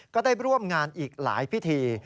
ก็ได้ร่วมงานอีกหลายพิธี